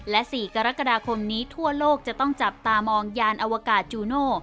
และ๔กรกฎาคมนี้ทั่วโลกจะต้องจับตามองยานอวกาศจูโน่